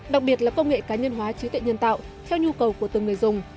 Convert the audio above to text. đặc biệt là công nghệ cá nhân hóa trí tuệ nhân tạo theo nhu cầu của từng người dùng